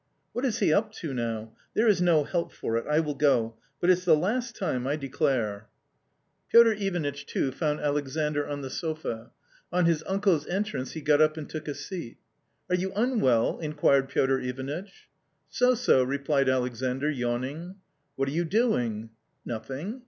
" What is he up to now ? There is no help for it, I will go. But it's the last time, I declare." 196 A COMMON STORY Piotr Ivanitch, too, found Alexandr on the sofa. On his uncle's entrance he got up and took a seat. " Are you unwell ?" inquired Piotr Ivanitch. " So, so/' replied Alexandr, yawning. " What are you doing ?"" Nothing."